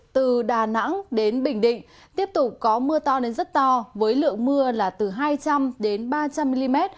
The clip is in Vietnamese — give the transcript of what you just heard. từ đà nẵng đến bình định tiếp tục có mưa to đến rất to với lượng mưa là từ hai trăm linh đến ba trăm linh mm